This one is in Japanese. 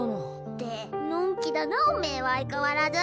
ってのんきだなおめぇは相変わらず。